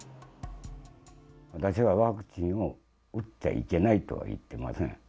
私はワクチンを打ってはいけないとは言ってません。